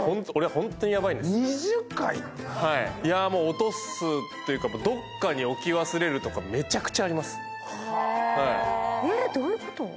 落とすというかどっかに置き忘れるとかめちゃくちゃあります。